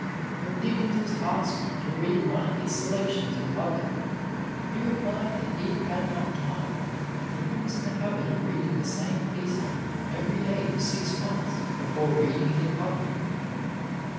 When Dickens was asked to read one of his selections in public he replied that he had not time, for he was in the habit of reading the same piece every day for six months before reading it in public.